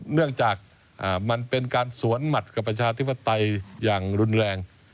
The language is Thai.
เนื่องจากมันเป็นการสวนหมัดกับประชาธิปไตยอย่างรุนแรง